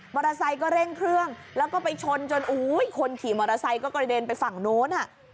มอเตอร์ไซค์ก็เร่งเครื่องแล้วก็ไปชนจนโอ้ยคนขี่มอเตอร์ไซค์ก็กระเด็นไปฝั่งโน้นอ่ะ